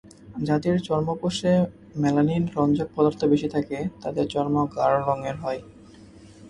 যাদের চর্মকোষে মেলানিন রঞ্জক পদার্থ বেশি থাকে, তাদের চর্ম গাঢ় রঙের হয়।